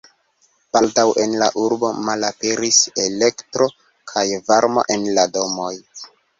Baldaŭ en la urbo malaperis elektro kaj varmo en la domoj.